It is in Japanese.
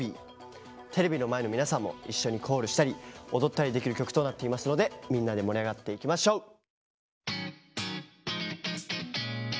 テレビの前の皆さんも一緒にコールしたり踊ったりできる曲となっていますのでみんなで盛り上がっていきましょう！